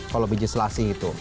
kalau biji selasih itu